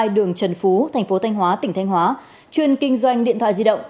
đường trần phú tp thanh hóa tỉnh thanh hóa chuyên kinh doanh điện thoại di động